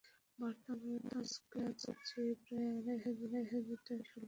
বর্তমানে স্ক্র্যাপের চেয়ে প্রায় আড়াই হাজার টাকা বেশি শুল্ক রয়েছে বিলেট আমদানিতে।